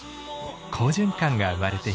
好循環が生まれています。